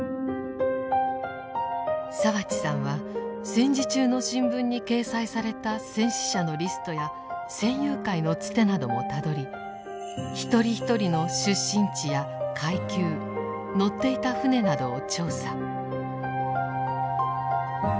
澤地さんは戦時中の新聞に掲載された戦死者のリストや戦友会のつてなどもたどり一人一人の出身地や階級乗っていた艦船などを調査。